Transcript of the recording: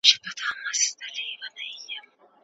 که عملي کار وي، شاګردان ښه تشویق کیږي.